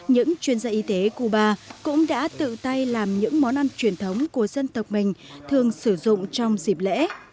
những chuyên gia y tế cuba cũng đã tự tay làm những món ăn truyền thống của dân tộc mình thường sử dụng trong dịp lễ